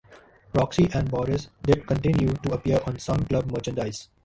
Roxi and Boris did continue to appear on some club merchandise.